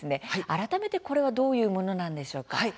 改めてこれはどういうものなんでしょうか？